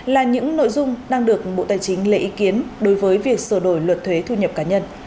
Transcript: là những nội dung đang được bộ tài chính lấy ý kiến đối với việc sửa đổi luật thuế thu nhập cá nhân